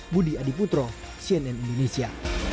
budi adiputro cnn indonesia